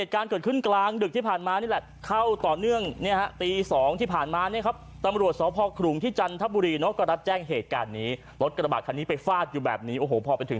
คอนขับเป็นยังไงบ้าง๘๖